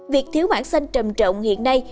việc thiếu mảng xanh trầm trộn hiện nay